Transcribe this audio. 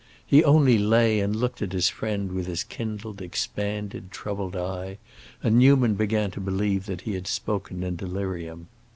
He only lay and looked at his friend with his kindled, expanded, troubled eye, and Newman began to believe that he had spoken in delirium.